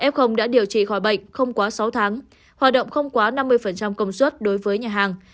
f đã điều trị khỏi bệnh không quá sáu tháng hoạt động không quá năm mươi công suất đối với nhà hàng